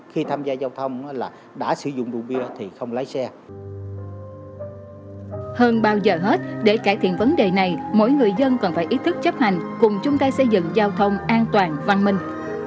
hơn bao giờ hết để cải thiện vấn đề này mỗi người dân cần phải ý thức chấp hành cùng chung tay xây dựng giao thông an toàn văn minh